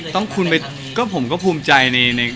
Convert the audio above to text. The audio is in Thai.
คุณไปก็ผมก็ภูมิใจใน